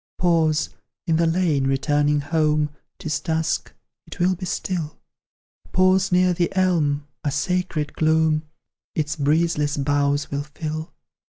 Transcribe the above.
Pause, in the lane, returning home; 'Tis dusk, it will be still: Pause near the elm, a sacred gloom Its breezeless boughs will fill.